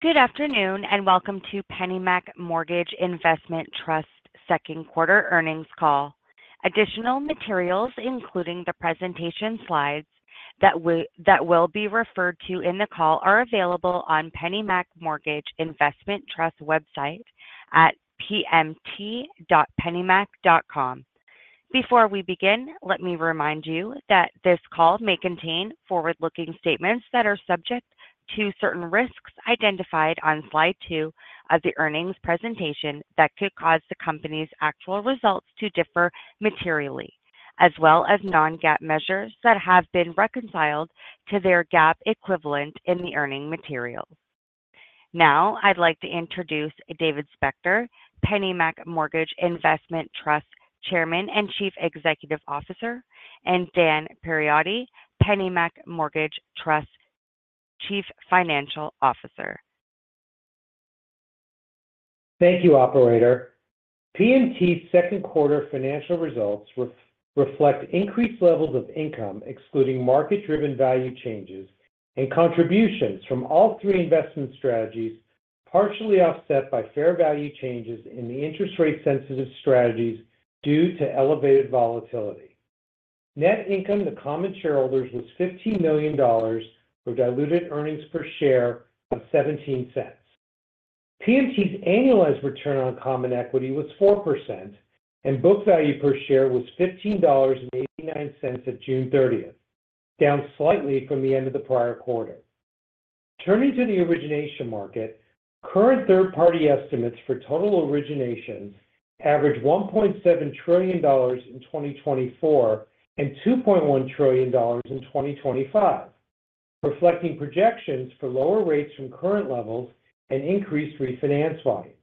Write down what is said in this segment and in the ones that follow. Good afternoon and welcome to PennyMac Mortgage Investment Trust second quarter earnings call. Additional materials, including the presentation slides that will be referred to in the call, are available on PennyMac Mortgage Investment Trust website at pmt.pennymac.com. Before we begin, let me remind you that this call may contain forward-looking statements that are subject to certain risks identified on slide two of the earnings presentation that could cause the company's actual results to differ materially, as well as non-GAAP measures that have been reconciled to their GAAP equivalent in the earnings material. Now, I'd like to introduce David Spector, PennyMac Mortgage Investment Trust Chairman and Chief Executive Officer, and Dan Perotti, PennyMac Mortgage Investment Trust Chief Financial Officer. Thank you, Operator. PMT's second quarter financial results reflect increased levels of income, excluding market-driven value changes, and contributions from all three investment strategies, partially offset by fair value changes in the interest rate-sensitive strategies due to elevated volatility. Net income to common shareholders was $15 million for diluted earnings per share of $0.17. PMT's annualized return on common equity was 4%, and book value per share was $15.89 at June 30th, down slightly from the end of the prior quarter. Turning to the origination market, current third-party estimates for total originations average $1.7 trillion in 2024 and $2.1 trillion in 2025, reflecting projections for lower rates from current levels and increased refinance volumes.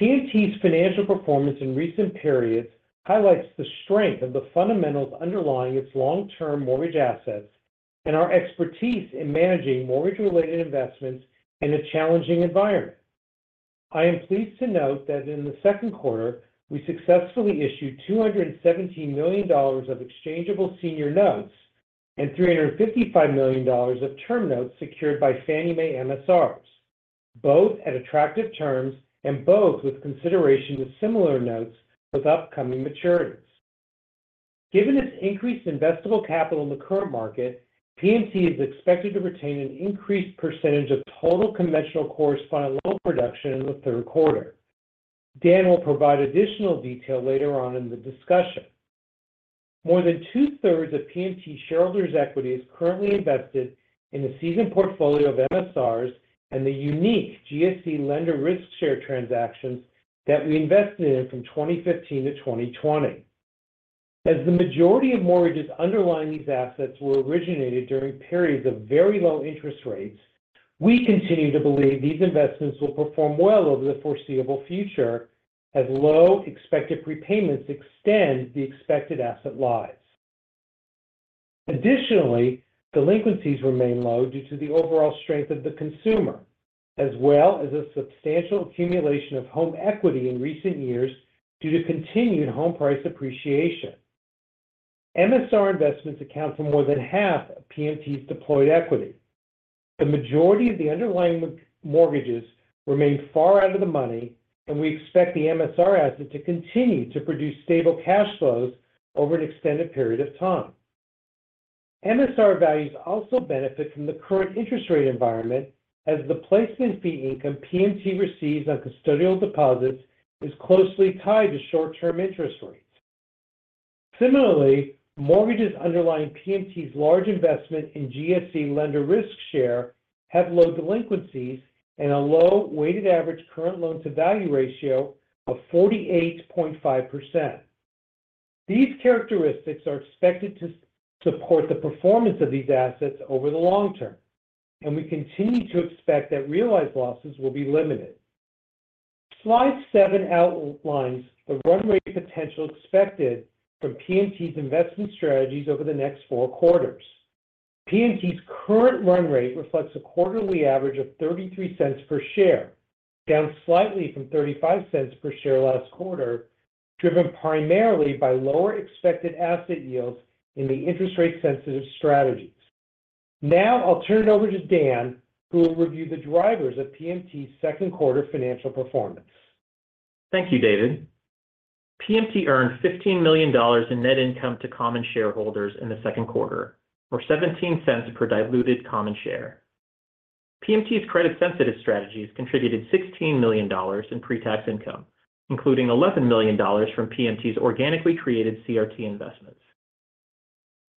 PMT's financial performance in recent periods highlights the strength of the fundamentals underlying its long-term mortgage assets and our expertise in managing mortgage-related investments in a challenging environment. I am pleased to note that in the second quarter, we successfully issued $217 million of exchangeable senior notes and $355 million of term notes secured by Fannie Mae MSRs, both at attractive terms and both with consideration to similar notes with upcoming maturities. Given its increased investable capital in the current market, PMT is expected to retain an increased percentage of total conventional correspondent loan production in the third quarter. Dan will provide additional detail later on in the discussion. More than two-thirds of PMT shareholders' equity is currently invested in the seasoned portfolio of MSRs and the unique GSE lender risk share transactions that we invested in from 2015 to 2020. As the majority of mortgages underlying these assets were originated during periods of very low interest rates, we continue to believe these investments will perform well over the foreseeable future as low expected prepayments extend the expected asset lives. Additionally, delinquencies remain low due to the overall strength of the consumer, as well as a substantial accumulation of home equity in recent years due to continued home price appreciation. MSR investments account for more than half of PMT's deployed equity. The majority of the underlying mortgages remain far out of the money, and we expect the MSR asset to continue to produce stable cash flows over an extended period of time. MSR values also benefit from the current interest rate environment as the placement fee income PMT receives on custodial deposits is closely tied to short-term interest rates. Similarly, mortgages underlying PMT's large investment in GSE lender risk share have low delinquencies and a low weighted average current loan-to-value ratio of 48.5%. These characteristics are expected to support the performance of these assets over the long term, and we continue to expect that realized losses will be limited. Slide seven outlines the run rate potential expected from PMT's investment strategies over the next four quarters. PMT's current run rate reflects a quarterly average of $0.33 per share, down slightly from $0.35 per share last quarter, driven primarily by lower expected asset yields in the interest rate-sensitive strategies. Now, I'll turn it over to Dan, who will review the drivers of PMT's second quarter financial performance. Thank you, David. PMT earned $15 million in net income to common shareholders in the second quarter, or $0.17 per diluted common share. PMT's credit-sensitive strategies contributed $16 million in pre-tax income, including $11 million from PMT's organically created CRT investments.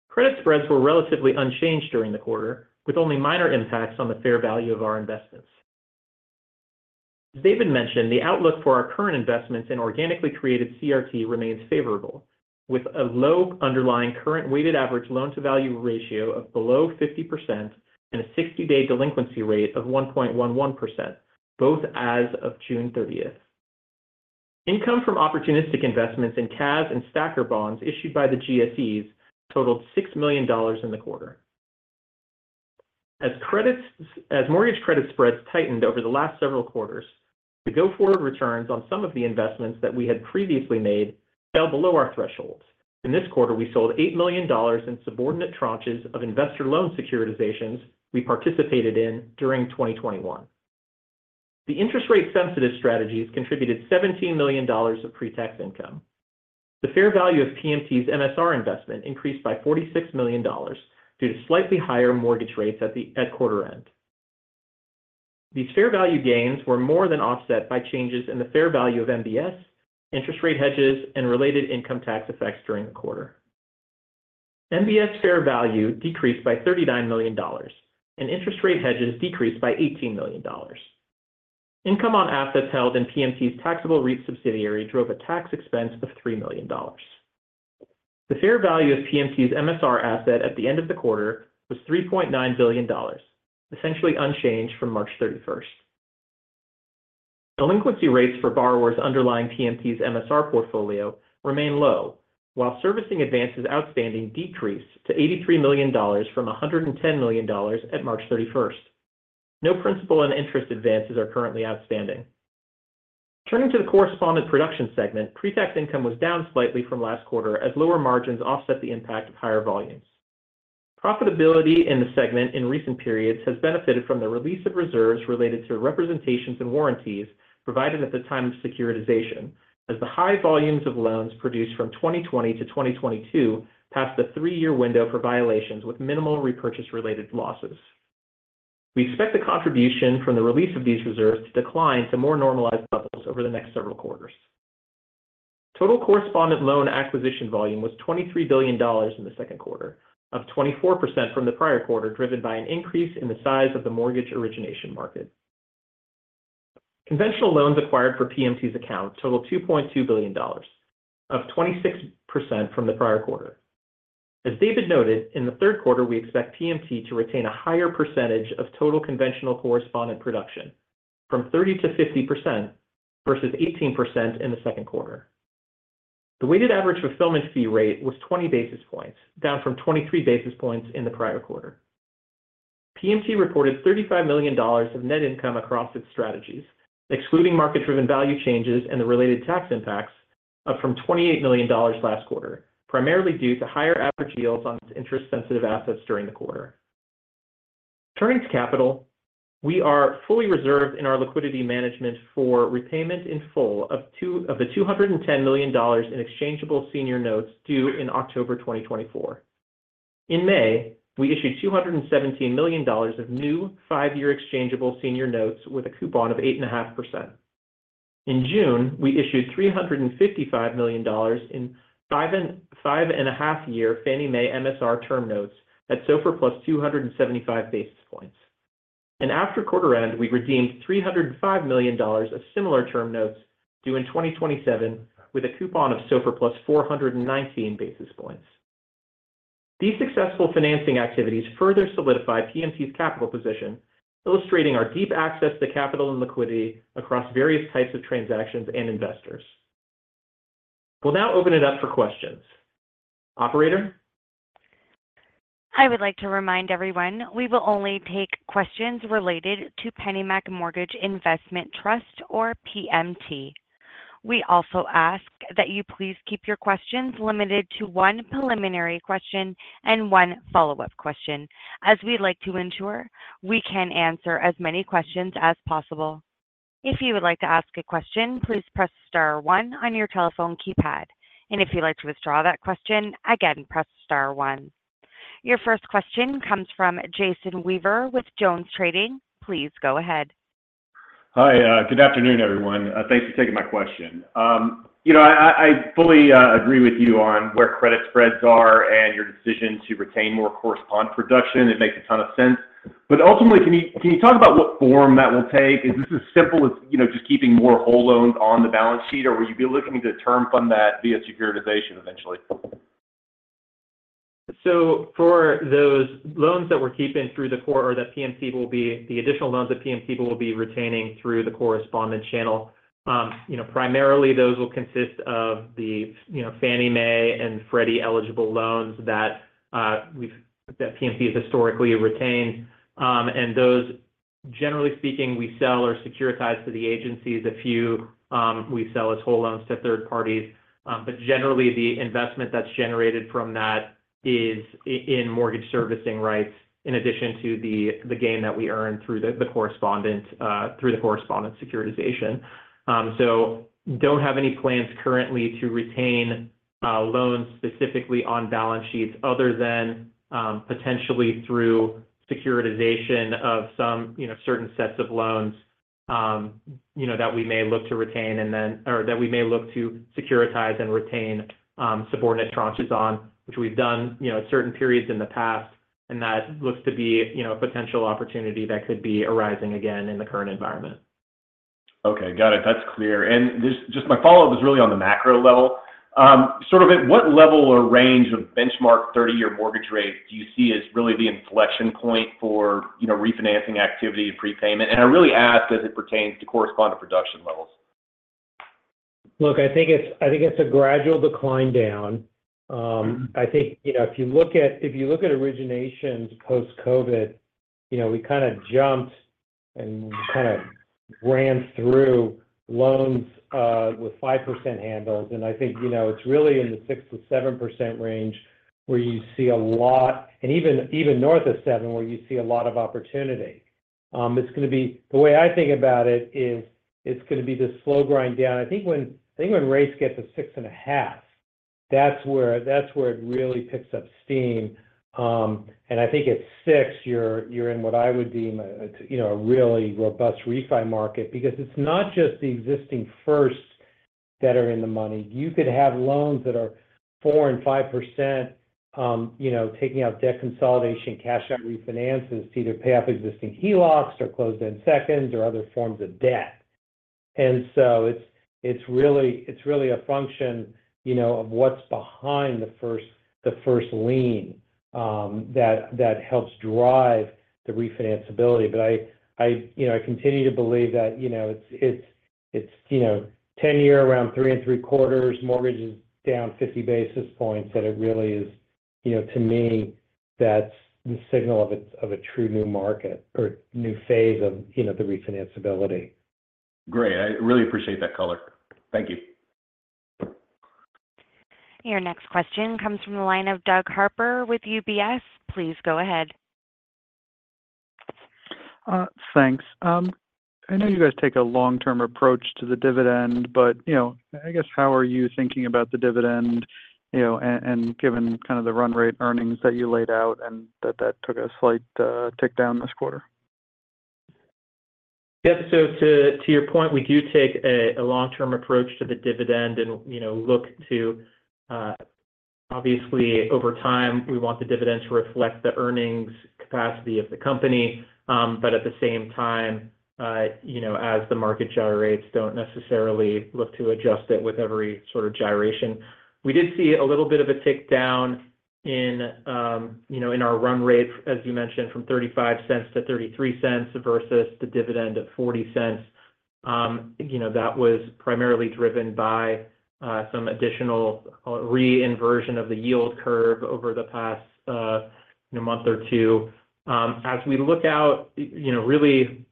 Credit spreads were relatively unchanged during the quarter, with only minor impacts on the fair value of our investments. As David mentioned, the outlook for our current investments in organically created CRT remains favorable, with a low underlying current weighted average loan-to-value ratio of below 50% and a 60-day delinquency rate of 1.11%, both as of June 30th. Income from opportunistic investments in CAS and STACR bonds issued by the GSEs totaled $6 million in the quarter. As mortgage credit spreads tightened over the last several quarters, the going forward returns on some of the investments that we had previously made fell below our thresholds. In this quarter, we sold $8 million in subordinate tranches of investor loan securitizations we participated in during 2021. The interest rate-sensitive strategies contributed $17 million of pre-tax income. The fair value of PMT's MSR investment increased by $46 million due to slightly higher mortgage rates at quarter end. These fair value gains were more than offset by changes in the fair value of MBS, interest rate hedges, and related income tax effects during the quarter. MBS fair value decreased by $39 million, and interest rate hedges decreased by $18 million. Income on assets held in PMT's taxable REIT subsidiary drove a tax expense of $3 million. The fair value of PMT's MSR asset at the end of the quarter was $3.9 billion, essentially unchanged from March 31st. Delinquency rates for borrowers underlying PMT's MSR portfolio remain low, while servicing advances outstanding decreased to $83 million from $110 million at March 31st. No principal and interest advances are currently outstanding. Turning to the correspondent production segment, pre-tax income was down slightly from last quarter as lower margins offset the impact of higher volumes. Profitability in the segment in recent periods has benefited from the release of reserves related to representations and warranties provided at the time of securitization, as the high volumes of loans produced from 2020 to 2022 passed the three-year window for violations with minimal repurchase-related losses. We expect the contribution from the release of these reserves to decline to more normalized levels over the next several quarters. Total correspondent loan acquisition volume was $23 billion in the second quarter, up 24% from the prior quarter, driven by an increase in the size of the mortgage origination market. Conventional loans acquired for PMT's accounts totaled $2.2 billion, up 26% from the prior quarter. As David noted, in the third quarter, we expect PMT to retain a higher percentage of total conventional correspondent production, from 30%- 50% versus 18% in the second quarter. The weighted average fulfillment fee rate was 20 basis points, down from 23 basis points in the prior quarter. PMT reported $35 million of net income across its strategies, excluding market-driven value changes and the related tax impacts, up from $28 million last quarter, primarily due to higher average yields on its interest-sensitive assets during the quarter. Turning to capital, we are fully reserved in our liquidity management for repayment in full of the $210 million in exchangeable senior notes due in October 2024. In May, we issued $217 million of new five-year exchangeable senior notes with a coupon of 8.5%. In June, we issued $355 million in five-and-a-half-year Fannie Mae MSR term notes at SOFR plus 275 basis points. And after quarter end, we redeemed $305 million of similar term notes due in 2027 with a coupon of SOFR plus 419 basis points. These successful financing activities further solidify PMT's capital position, illustrating our deep access to capital and liquidity across various types of transactions and investors. We'll now open it up for questions. Operator. I would like to remind everyone, we will only take questions related to PennyMac Mortgage Investment Trust, or PMT. We also ask that you please keep your questions limited to one preliminary question and one follow-up question, as we'd like to ensure we can answer as many questions as possible. If you would like to ask a question, please press star one on your telephone keypad. And if you'd like to withdraw that question, again, press star one. Your first question comes from Jason Weaver with Jones Trading. Please go ahead. Hi, good afternoon, everyone. Thanks for taking my question. You know, I fully agree with you on where credit spreads are and your decision to retain more correspondent production. It makes a ton of sense. But ultimately, can you talk about what form that will take? Is this as simple as just keeping more whole loans on the balance sheet, or will you be looking to term fund that via securitization eventually? So for those loans that we're keeping through the quarter, that PMT will be the additional loans that PMT will be retaining through the correspondent channel. Primarily, those will consist of the Fannie Mae and Freddie Mac eligible loans that PMT has historically retained. And those, generally speaking, we sell or securitize to the agencies. If we sell as whole loans to third parties. But generally, the investment that's generated from that is in mortgage servicing rights in addition to the gain that we earn through the correspondent securitization. So don't have any plans currently to retain loans specifically on balance sheets other than potentially through securitization of some certain sets of loans that we may look to retain and then or that we may look to securitize and retain subordinate tranches on, which we've done at certain periods in the past. That looks to be a potential opportunity that could be arising again in the current environment. Okay. Got it. That's clear. And just my follow-up is really on the macro level. Sort of at what level or range of benchmark 30-year mortgage rate do you see as really the inflection point for refinancing activity and prepayment? And I really ask as it pertains to correspondent production levels. Look, I think it's a gradual decline down. I think if you look at originations post-COVID, we kind of jumped and kind of ran through loans with 5% handles. And I think it's really in the 6%-7% range where you see a lot and even north of 7% where you see a lot of opportunity. It's going to be the way I think about it is it's going to be the slow grind down. I think when rates get to 6.5%, that's where it really picks up steam. And I think at 6%, you're in what I would deem a really robust refi market because it's not just the existing firsts that are in the money. You could have loans that are 4% and 5% taking out debt consolidation, cash-out refinances to either pay off existing HELOCs or closed-end seconds or other forms of debt. And so it's really a function of what's behind the first lien that helps drive the refinanceability. But I continue to believe that it's 10-year around 3.75, mortgages down 50 basis points, that it really is, to me, that's the signal of a true new market or new phase of the refinanceability. Great. I really appreciate that color. Thank you. Your next question comes from the line of Doug Harper with UBS. Please go ahead. Thanks. I know you guys take a long-term approach to the dividend, but I guess how are you thinking about the dividend and given kind of the run rate earnings that you laid out and that that took a slight tick down this quarter? Yeah. So to your point, we do take a long-term approach to the dividend and look to obviously, over time, we want the dividend to reflect the earnings capacity of the company. But at the same time, as the market gyrates, don't necessarily look to adjust it with every sort of gyration. We did see a little bit of a tick down in our run rate, as you mentioned, from $0.35-$0.33 versus the dividend at $0.40. That was primarily driven by some additional re-inversion of the yield curve over the past month or two. As we look out, really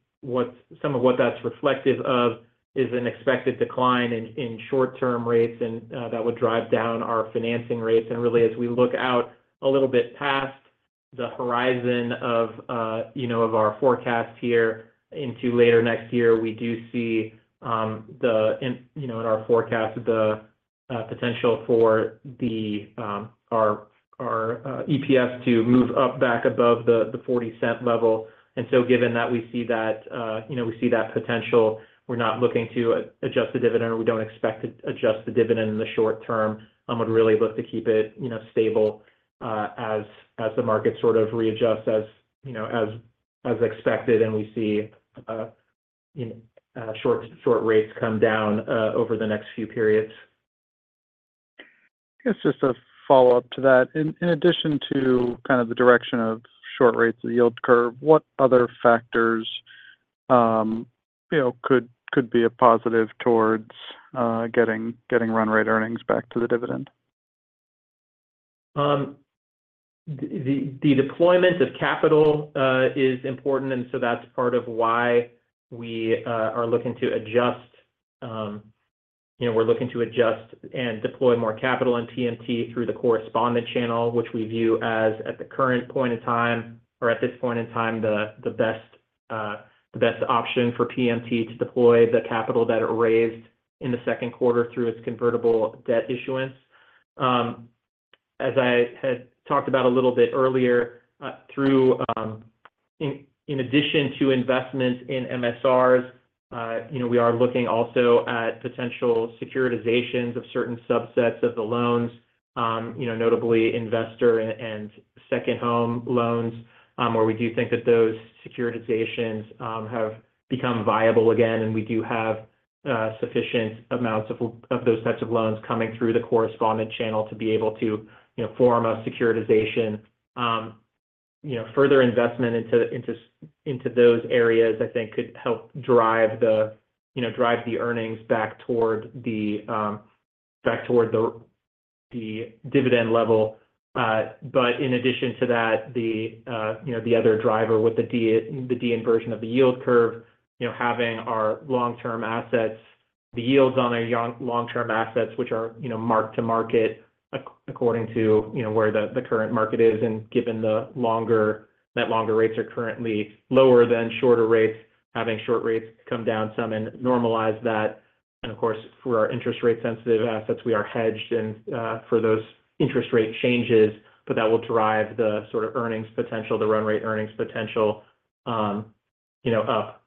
some of what that's reflective of is an expected decline in short-term rates and that would drive down our financing rates. And really, as we look out a little bit past the horizon of our forecast here into later next year, we do see in our forecast the potential for our EPS to move up back above the $0.40 level. And so given that we see that we see that potential, we're not looking to adjust the dividend or we don't expect to adjust the dividend in the short term. I would really look to keep it stable as the market sort of readjusts as expected and we see short rates come down over the next few periods. I guess just a follow-up to that. In addition to kind of the direction of short rates, the yield curve, what other factors could be a positive towards getting run rate earnings back to the dividend? The deployment of capital is important. And so that's part of why we are looking to adjust. We're looking to adjust and deploy more capital in PMT through the correspondent channel, which we view as, at the current point in time or at this point in time, the best option for PMT to deploy the capital that it raised in the second quarter through its convertible debt issuance. As I had talked about a little bit earlier, in addition to investments in MSRs, we are looking also at potential securitizations of certain subsets of the loans, notably investor and second home loans, where we do think that those securitizations have become viable again. And we do have sufficient amounts of those types of loans coming through the correspondent channel to be able to form a securitization. Further investment into those areas, I think, could help drive the earnings back toward the dividend level. But in addition to that, the other driver with the de-inversion of the yield curve, having our long-term assets, the yields on our long-term assets, which are marked to market according to where the current market is. And given that longer rates are currently lower than shorter rates, having short rates come down some and normalize that. And of course, for our interest rate-sensitive assets, we are hedged for those interest rate changes, but that will drive the sort of earnings potential, the run rate earnings potential, up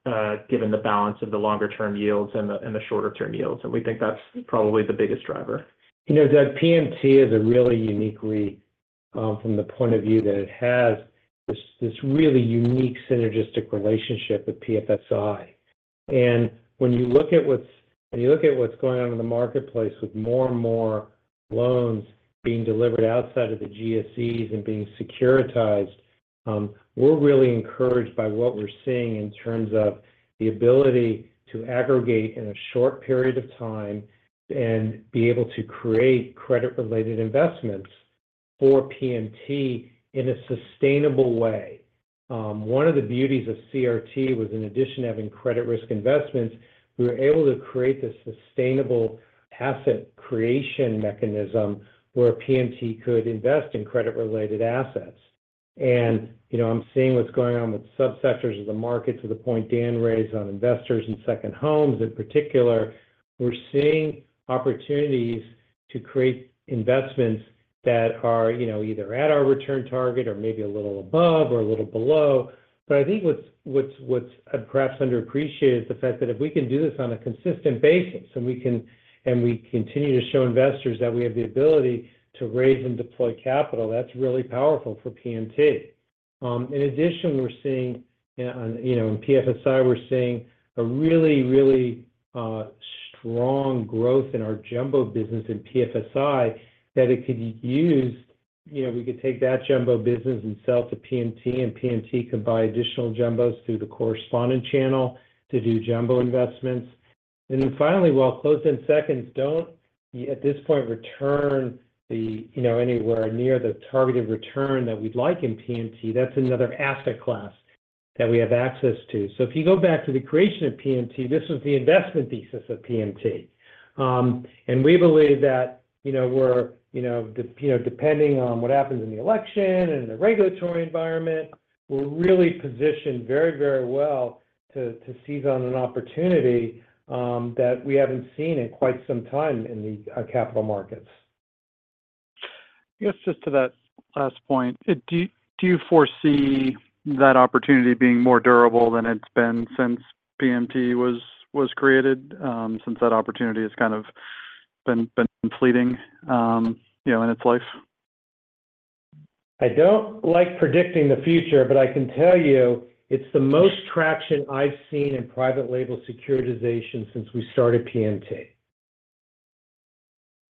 given the balance of the longer-term yields and the shorter-term yields. And we think that's probably the biggest driver. You know, Doug, PMT is a really uniquely from the point of view that it has this really unique synergistic relationship with PFSI. When you look at what's going on in the marketplace with more and more loans being delivered outside of the GSEs and being securitized, we're really encouraged by what we're seeing in terms of the ability to aggregate in a short period of time and be able to create credit-related investments for PMT in a sustainable way. One of the beauties of CRT was, in addition to having credit risk investments, we were able to create this sustainable asset creation mechanism where PMT could invest in credit-related assets. I'm seeing what's going on with subsectors of the market to the point Dan raised on investors in second homes. In particular, we're seeing opportunities to create investments that are either at our return target or maybe a little above or a little below. But I think what's perhaps underappreciated is the fact that if we can do this on a consistent basis and we continue to show investors that we have the ability to raise and deploy capital, that's really powerful for PMT. In addition, we're seeing a really, really strong growth in our jumbo business in PFSI that it could use. We could take that jumbo business and sell to PMT, and PMT could buy additional jumbos through the correspondent channel to do jumbo investments. And then finally, while closed-end seconds don't at this point return anywhere near the targeted return that we'd like in PMT, that's another asset class that we have access to. So if you go back to the creation of PMT, this was the investment thesis of PMT. We believe that we're depending on what happens in the election and the regulatory environment, we're really positioned very, very well to seize on an opportunity that we haven't seen in quite some time in the capital markets. I guess just to that last point, do you foresee that opportunity being more durable than it's been since PMT was created, since that opportunity has kind of been fleeting in its life? I don't like predicting the future, but I can tell you it's the most traction I've seen in private label securitization since we started PMT.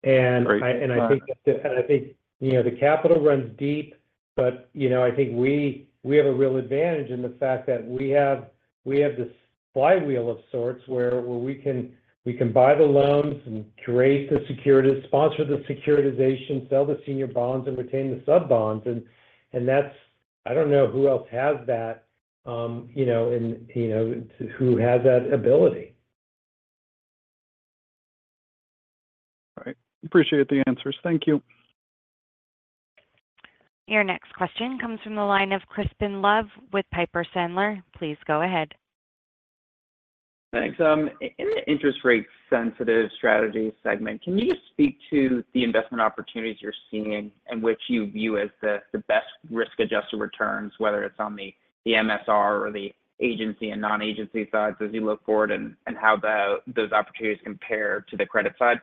And I think the capital runs deep, but I think we have a real advantage in the fact that we have the flywheel of sorts where we can buy the loans and create the securities, sponsor the securitization, sell the senior bonds, and retain the sub-bonds. And I don't know who else has that and who has that ability. All right. Appreciate the answers. Thank you. Your next question comes from the line of Crispin Love with Piper Sandler. Please go ahead. Thanks. In the interest rate-sensitive strategy segment, can you just speak to the investment opportunities you're seeing and which you view as the best risk-adjusted returns, whether it's on the MSR or the agency and non-agency sides, as you look forward and how those opportunities compare to the credit side?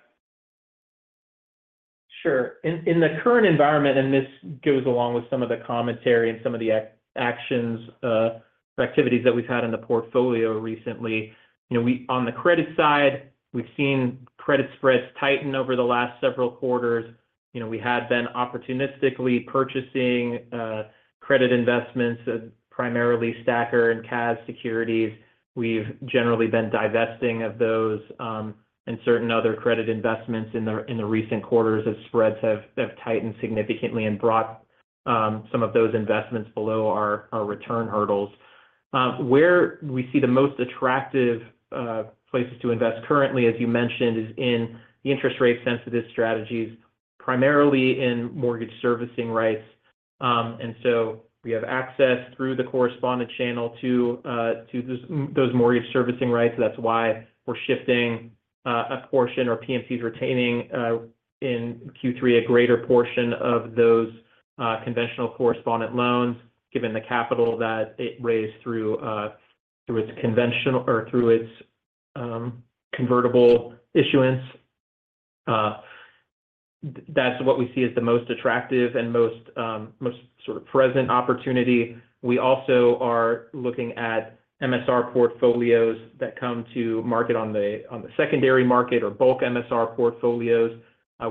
Sure. In the current environment, and this goes along with some of the commentary and some of the actions or activities that we've had in the portfolio recently, on the credit side, we've seen credit spreads tighten over the last several quarters. We had been opportunistically purchasing credit investments, primarily Stacker and CAS securities. We've generally been divesting of those and certain other credit investments in the recent quarters as spreads have tightened significantly and brought some of those investments below our return hurdles. Where we see the most attractive places to invest currently, as you mentioned, is in the interest rate-sensitive strategies, primarily in mortgage servicing rights. And so we have access through the correspondent channel to those mortgage servicing rights. That's why we're shifting a portion or PMT is retaining in Q3 a greater portion of those conventional correspondent loans, given the capital that it raised through its convertible issuance. That's what we see as the most attractive and most sort of present opportunity. We also are looking at MSR portfolios that come to market on the secondary market or bulk MSR portfolios.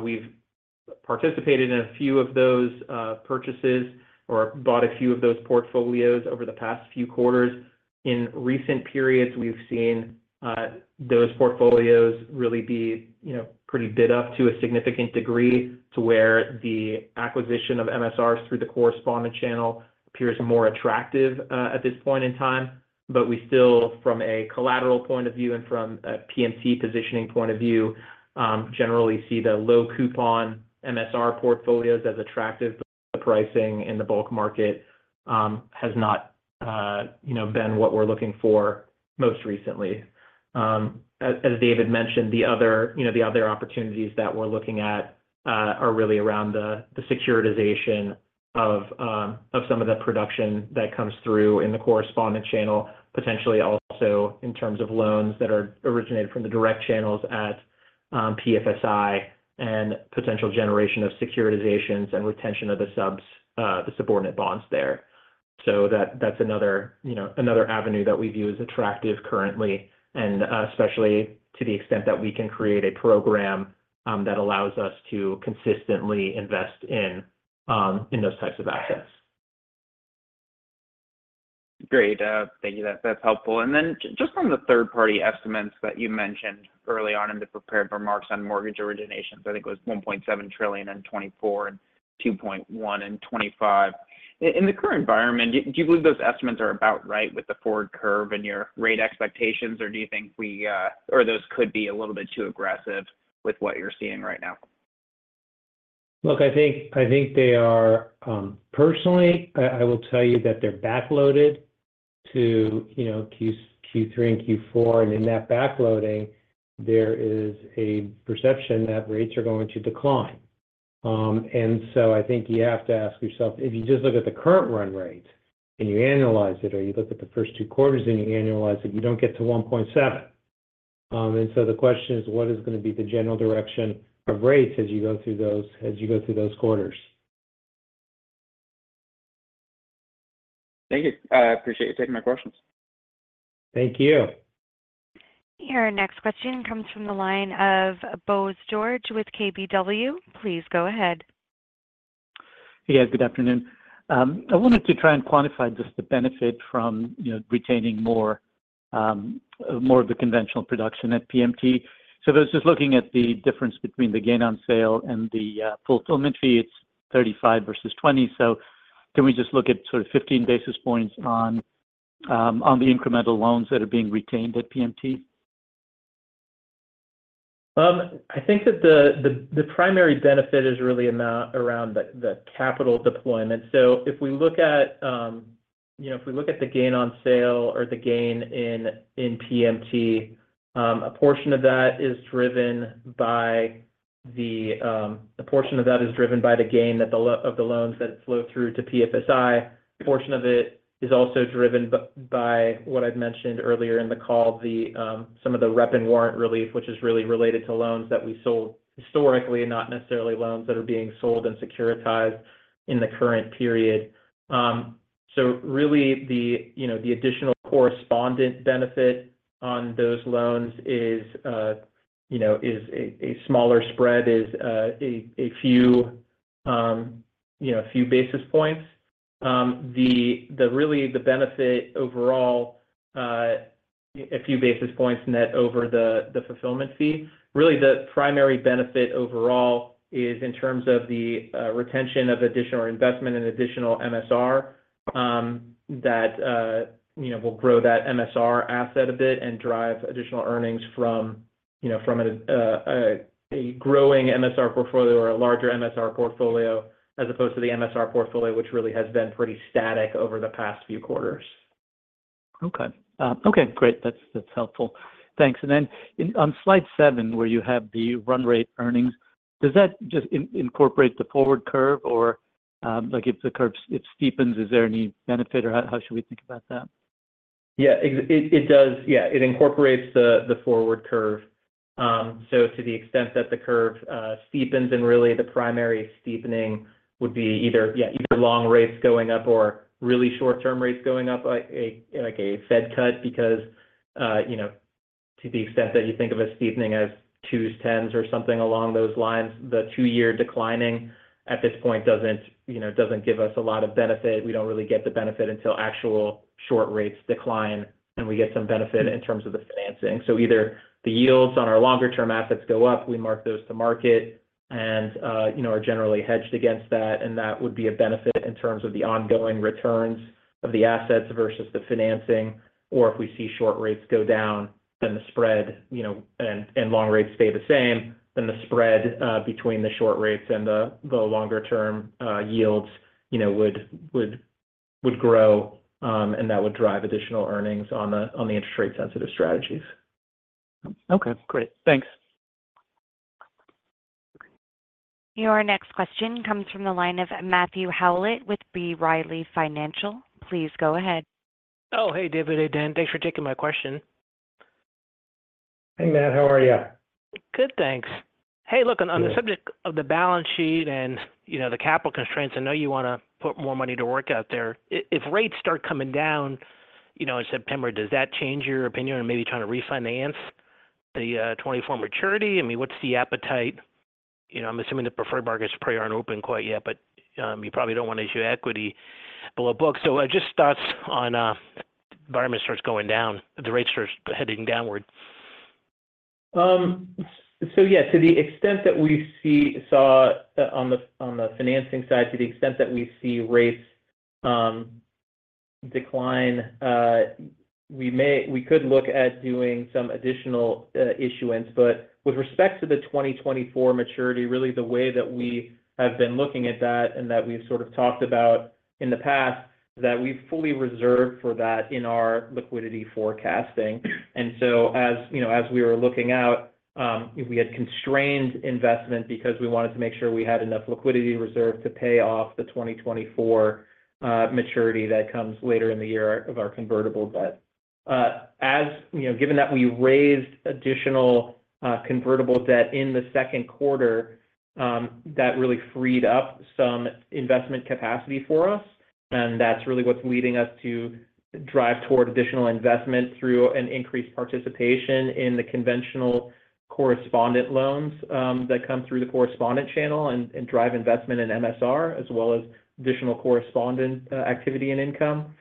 We've participated in a few of those purchases or bought a few of those portfolios over the past few quarters. In recent periods, we've seen those portfolios really be pretty bid up to a significant degree to where the acquisition of MSRs through the correspondent channel appears more attractive at this point in time. But we still, from a collateral point of view and from a PMT positioning point of view, generally see the low-coupon MSR portfolios as attractive. The pricing in the bulk market has not been what we're looking for most recently. As David mentioned, the other opportunities that we're looking at are really around the securitization of some of the production that comes through in the correspondent channel, potentially also in terms of loans that are originated from the direct channels at PFSI and potential generation of securitizations and retention of the subordinate bonds there. So that's another avenue that we view as attractive currently, and especially to the extent that we can create a program that allows us to consistently invest in those types of assets. Great. Thank you. That's helpful. And then just on the third-party estimates that you mentioned early on in the prepared remarks on mortgage originations, I think it was $1.7 trillion in 2024 and $2.1 trillion in 2025. In the current environment, do you believe those estimates are about right with the forward curve and your rate expectations, or do you think we or those could be a little bit too aggressive with what you're seeing right now? Look, I think they are personally, I will tell you that they're backloaded to Q3 and Q4. And in that backloading, there is a perception that rates are going to decline. And so I think you have to ask yourself, if you just look at the current run rate and you analyze it or you look at the first two quarters and you analyze it, you don't get to 1.7. And so the question is, what is going to be the general direction of rates as you go through those as you go through those quarters? Thank you. I appreciate you taking my questions. Thank you. Your next question comes from the line of Bose George with KBW. Please go ahead. Hey, guys. Good afternoon. I wanted to try and quantify just the benefit from retaining more of the conventional production at PMT. So I was just looking at the difference between the gain on sale and the fulfillment fee. It's 35 versus 20. So can we just look at sort of 15 basis points on the incremental loans that are being retained at PMT? I think that the primary benefit is really around the capital deployment. So if we look at the gain on sale or the gain in PMT, a portion of that is driven by the gain of the loans that flow through to PFSI. A portion of it is also driven by what I've mentioned earlier in the call, some of the rep and warrant relief, which is really related to loans that we sold historically and not necessarily loans that are being sold and securitized in the current period. So really, the additional correspondent benefit on those loans is a smaller spread, a few basis points. Really, the benefit overall, a few basis points net over the fulfillment fee. Really, the primary benefit overall is in terms of the retention of additional investment and additional MSR that will grow that MSR asset a bit and drive additional earnings from a growing MSR portfolio or a larger MSR portfolio as opposed to the MSR portfolio, which really has been pretty static over the past few quarters. Okay. Okay. Great. That's helpful. Thanks. And then on slide seven, where you have the run rate earnings, does that just incorporate the forward curve? Or if the curve steepens, is there any benefit or how should we think about that? Yeah. It does. Yeah. It incorporates the forward curve. So to the extent that the curve steepens, and really the primary steepening would be either long rates going up or really short-term rates going up, like a Fed cut, because to the extent that you think of a steepening as 2s, 10s, or something along those lines, the two-year declining at this point doesn't give us a lot of benefit. We don't really get the benefit until actual short rates decline, and we get some benefit in terms of the financing. So either the yields on our longer-term assets go up, we mark those to market and are generally hedged against that. And that would be a benefit in terms of the ongoing returns of the assets versus the financing. Or if we see short rates go down and the spread and long rates stay the same, then the spread between the short rates and the longer-term yields would grow, and that would drive additional earnings on the interest rate-sensitive strategies. Okay. Great. Thanks. Your next question comes from the line of Matthew Howlett with B. Riley Financial. Please go ahead. Oh, hey, David. Hey, Dan. Thanks for taking my question. Hey, Matt. How are you? Good, thanks. Hey, look, on the subject of the balance sheet and the capital constraints, I know you want to put more money to work out there. If rates start coming down in September, does that change your opinion on maybe trying to refinance the 2024 maturity? I mean, what's the appetite? I'm assuming the preferred markets probably aren't open quite yet, but you probably don't want to issue equity below books. So just thoughts on the environment starts going down, the rates start heading downward. So yeah, to the extent that we saw on the financing side, to the extent that we see rates decline, we could look at doing some additional issuance. But with respect to the 2024 maturity, really the way that we have been looking at that and that we've sort of talked about in the past is that we've fully reserved for that in our liquidity forecasting. And so as we were looking out, we had constrained investment because we wanted to make sure we had enough liquidity reserve to pay off the 2024 maturity that comes later in the year of our convertible debt. Given that we raised additional convertible debt in the second quarter, that really freed up some investment capacity for us. And that's really what's leading us to drive toward additional investment through an increased participation in the conventional correspondent loans that come through the correspondent channel and drive investment in MSR as well as additional correspondent activity and income.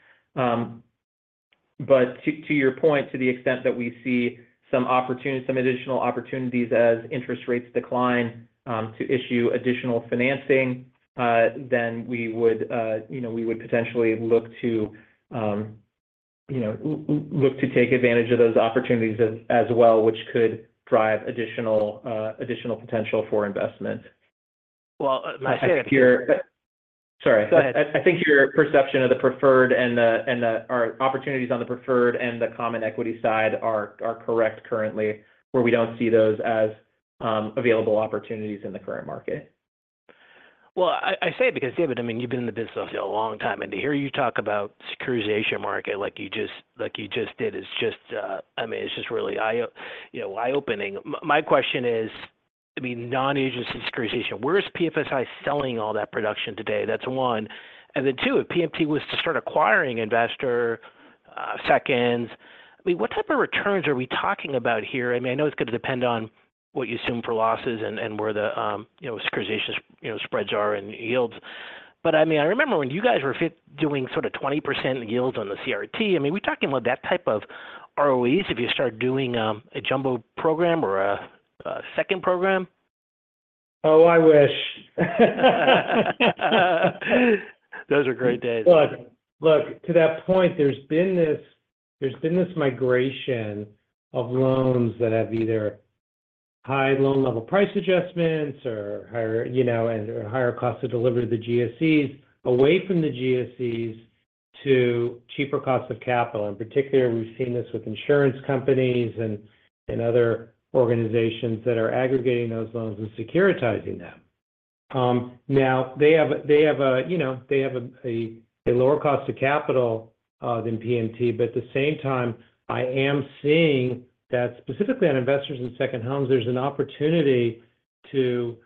But to your point, to the extent that we see some additional opportunities as interest rates decline to issue additional financing, then we would potentially look to take advantage of those opportunities as well, which could drive additional potential for investment. Well, I think your. I think your perception of the preferred and our opportunities on the preferred and the common equity side are correct currently, where we don't see those as available opportunities in the current market. Well, I say it because, David, I mean, you've been in the business a long time. And to hear you talk about securitization market like you just did, I mean, it's just really eye-opening. My question is, I mean, non-agency securitization, where is PFSI selling all that production today? That's one. And then two, if PMT was to start acquiring investor seconds, I mean, what type of returns are we talking about here? I mean, I know it's going to depend on what you assume for losses and where the securitization spreads are and yields. But I mean, I remember when you guys were doing sort of 20% yields on the CRT. I mean, we're talking about that type of ROEs if you start doing a jumbo program or a second program. Oh, I wish. Those are great days. Look, to that point, there's been this migration of loans that have either high loan-level price adjustments and higher cost of delivery of the GSEs away from the GSEs to cheaper cost of capital. And particularly, we've seen this with insurance companies and other organizations that are aggregating those loans and securitizing them. Now, they have a lower cost of capital than PMT, but at the same time, I am seeing that specifically on investors in second homes, there's an opportunity to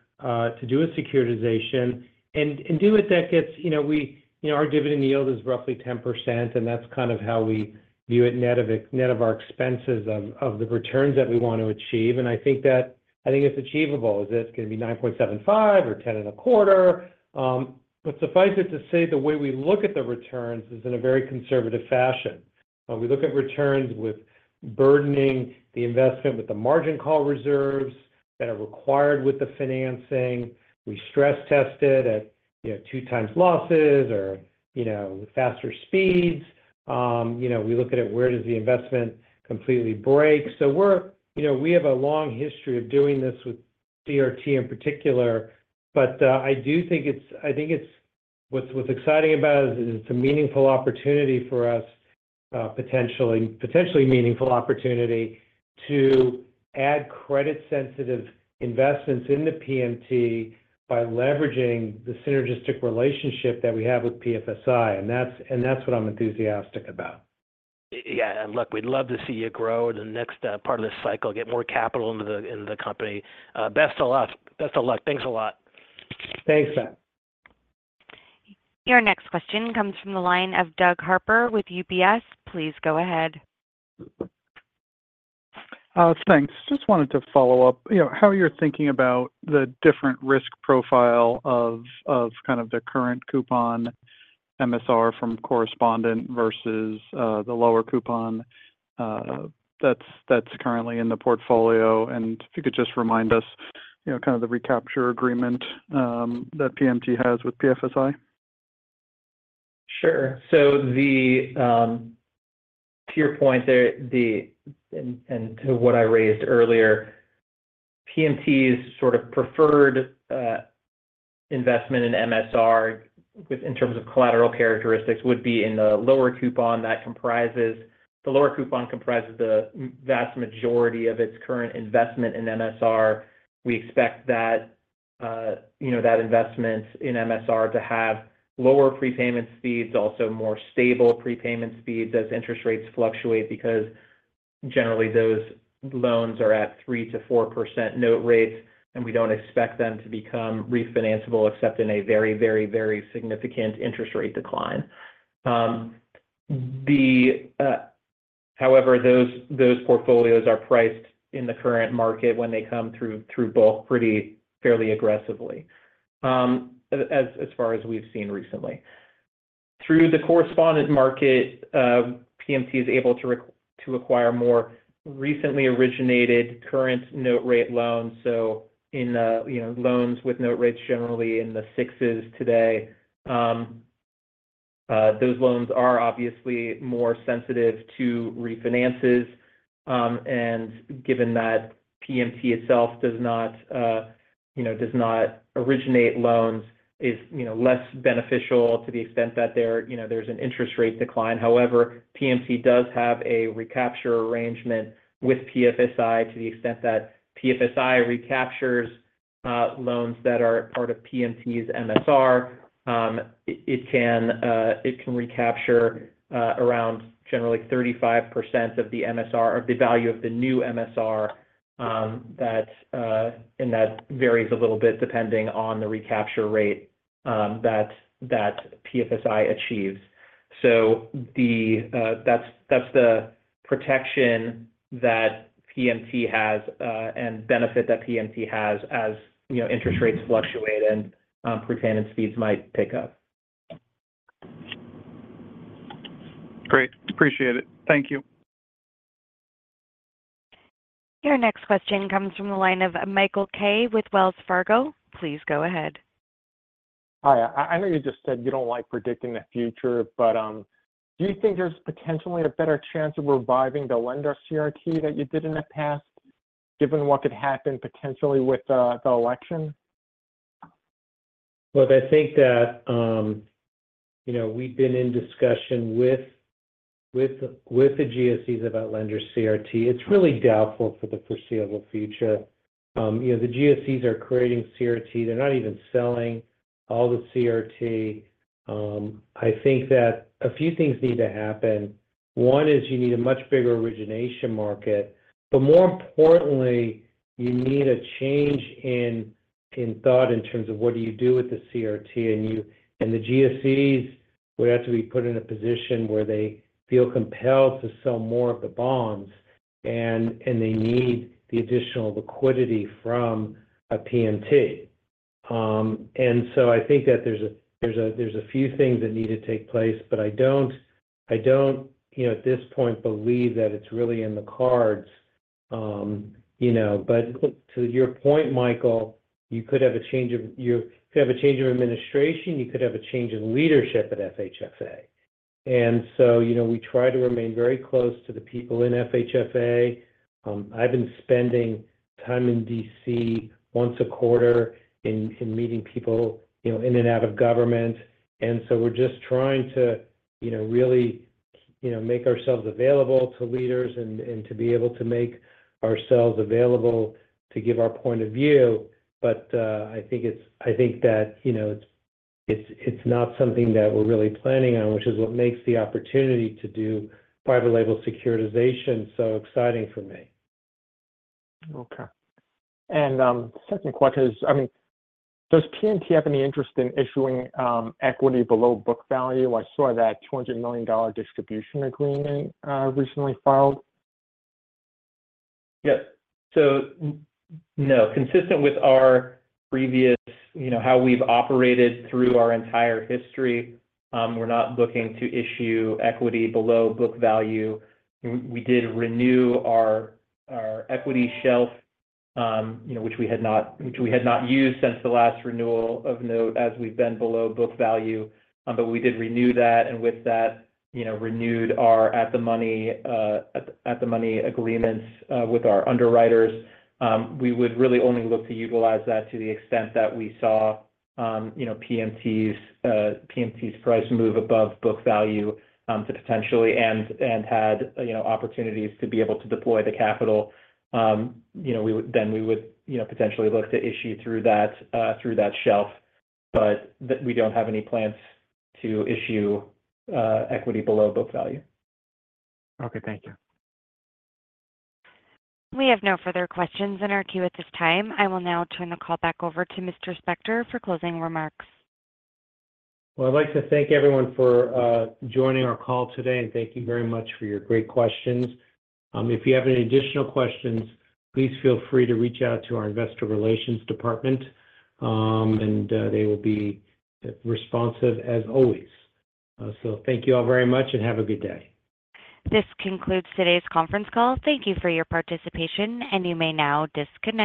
do a securitization and do it that gets our dividend yield is roughly 10%, and that's kind of how we view it net of our expenses of the returns that we want to achieve. And I think it's achievable. Is it going to be $9.75 or $10.25? But suffice it to say, the way we look at the returns is in a very conservative fashion. We look at returns with burdening the investment with the margin call reserves that are required with the financing. We stress test it at 2x losses or faster speeds. We look at it, where does the investment completely break? So we have a long history of doing this with CRT in particular, but I do think it's what's exciting about it is it's a meaningful opportunity for us, potentially meaningful opportunity to add credit-sensitive investments in the PMT by leveraging the synergistic relationship that we have with PFSI. And that's what I'm enthusiastic about. Yeah. And look, we'd love to see you grow in the next part of this cycle, get more capital into the company. Best of luck. Thanks a lot. Thanks, Matt. Your next question comes from the line of Doug Harper with UBS. Please go ahead. Thanks. Just wanted to follow up how you're thinking about the different risk profile of kind of the current coupon MSR from correspondent versus the lower coupon that's currently in the portfolio. If you could just remind us kind of the recapture agreement that PMT has with PFSI? Sure. So to your point there and to what I raised earlier, PMT's sort of preferred investment in MSR in terms of collateral characteristics would be in the lower coupon that comprises the vast majority of its current investment in MSR. We expect that investment in MSR to have lower prepayment speeds, also more stable prepayment speeds as interest rates fluctuate because generally those loans are at 3%-4% note rates, and we don't expect them to become refinanceable except in a very, very, very significant interest rate decline. However, those portfolios are priced in the current market when they come through bulk pretty fairly aggressively as far as we've seen recently. Through the correspondent market, PMT is able to acquire more recently originated current note rate loans. So in loans with note rates generally in the 6s today, those loans are obviously more sensitive to refinances. Given that PMT itself does not originate loans, it's less beneficial to the extent that there's an interest rate decline. However, PMT does have a recapture arrangement with PFSI to the extent that PFSI recaptures loans that are part of PMT's MSR. It can recapture around generally 35% of the MSR or the value of the new MSR, and that varies a little bit depending on the recapture rate that PFSI achieves. So that's the protection that PMT has and benefit that PMT has as interest rates fluctuate and prepayment speeds might pick up. Great. Appreciate it. Thank you. Your next question comes from the line of Michael Kay with Wells Fargo. Please go ahead. Hi. I know you just said you don't like predicting the future, but do you think there's potentially a better chance of reviving the LenderCRT that you did in the past given what could happen potentially with the election? Look, I think that we've been in discussion with the GSEs about lender CRT. It's really doubtful for the foreseeable future. The GSEs are creating CRT. They're not even selling all the CRT. I think that a few things need to happen. One is you need a much bigger origination market. But more importantly, you need a change in thought in terms of what do you do with the CRT. And the GSEs would have to be put in a position where they feel compelled to sell more of the bonds, and they need the additional liquidity from PMT. And so I think that there's a few things that need to take place, but I don't at this point believe that it's really in the cards. But to your point, Michael, you could have a change of administration. You could have a change in leadership at FHFA. And so we try to remain very close to the people in FHFA. I've been spending time in DC once a quarter in meeting people in and out of government. And so we're just trying to really make ourselves available to leaders and to be able to make ourselves available to give our point of view. But I think that it's not something that we're really planning on, which is what makes the opportunity to do private label securitization so exciting for me. Okay. And second question is, I mean, does PMT have any interest in issuing equity below book value? I saw that $200 million distribution agreement recently filed. Yes. So no, consistent with our previous how we've operated through our entire history, we're not looking to issue equity below book value. We did renew our equity shelf, which we had not used since the last renewal of note as we've been below book value. But we did renew that and with that renewed our at-the-market agreements with our underwriters. We would really only look to utilize that to the extent that we saw PMT's price move above book value to potentially and had opportunities to be able to deploy the capital. Then we would potentially look to issue through that shelf, but we don't have any plans to issue equity below book value. Okay. Thank you. We have no further questions in our queue at this time. I will now turn the call back over to Mr. Spector for closing remarks. Well, I'd like to thank everyone for joining our call today, and thank you very much for your great questions. If you have any additional questions, please feel free to reach out to our investor relations department, and they will be responsive as always. So thank you all very much and have a good day. This concludes today's conference call. Thank you for your participation, and you may now disconnect.